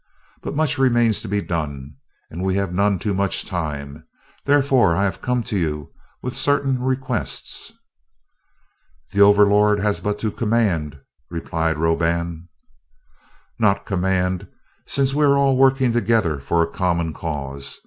But much remains to be done, and we have none too much time; therefore I have come to you with certain requests." "The Overlord has but to command," replied Roban. "Not command, since we are all working together for a common cause.